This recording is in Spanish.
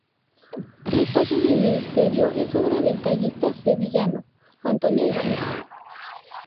El paso de misterio es obra del tallista sevillano, Antonio Ibáñez.